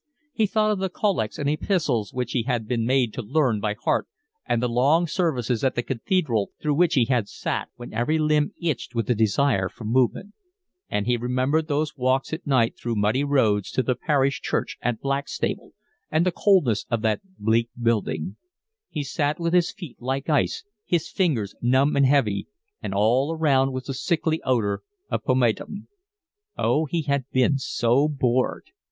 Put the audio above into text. He thought of the collects and epistles which he had been made to learn by heart, and the long services at the Cathedral through which he had sat when every limb itched with the desire for movement; and he remembered those walks at night through muddy roads to the parish church at Blackstable, and the coldness of that bleak building; he sat with his feet like ice, his fingers numb and heavy, and all around was the sickly odour of pomatum. Oh, he had been so bored!